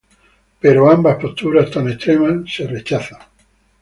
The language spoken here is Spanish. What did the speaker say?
Pero ambas posturas tan extremas son rechazadas.